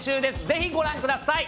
ぜひご覧ください